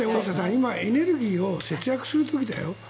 今、エネルギーを節約する時だよ。